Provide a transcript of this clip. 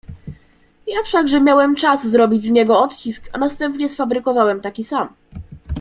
"Ja wszakże miałem czas zrobić z niego odcisk i następnie sfabrykowałem taki sam."